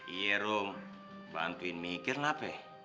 iya room bantuin mikir nape